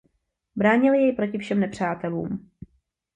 Bránili jej proti všem nepřátelům.